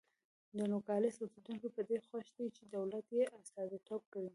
د نوګالس اوسېدونکي په دې خوښ دي چې دولت یې استازیتوب کوي.